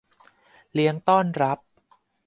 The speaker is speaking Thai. เลี้ยงต้อนรับ